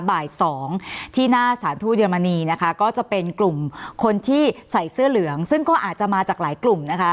บ่ายสองที่หน้าสถานทูตเยอรมนีนะคะก็จะเป็นกลุ่มคนที่ใส่เสื้อเหลืองซึ่งก็อาจจะมาจากหลายกลุ่มนะคะ